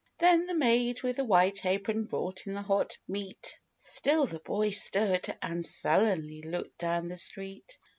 Then the maid, with white apron, brought in the hot meat ; Still the boy stood, and sullenly looked down the street.